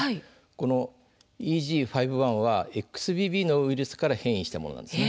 このＥＧ．５．１はＸＢＢのウイルスから変異したものです。